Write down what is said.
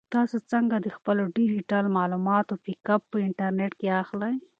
تاسو څنګه د خپلو ډیجیټل معلوماتو بیک اپ په انټرنیټ کې اخلئ؟